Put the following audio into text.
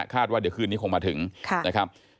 ว่าเดี๋ยวคืนนี้คงมาถึงนะครับ